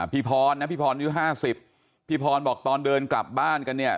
พี่พรนะพี่พรอายุ๕๐พี่พรบอกตอนเดินกลับบ้านกันเนี่ย